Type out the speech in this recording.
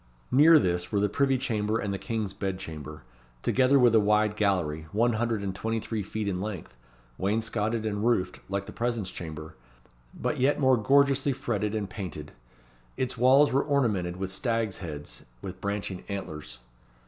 Near this were the privy chamber and the King's bed chamber, together with a wide gallery, one hundred and twenty three feet in length, wainscotted and roofed like the presence chamber, but yet more gorgeously fretted and painted. Its walls were ornamented with stags' heads with branching antlers.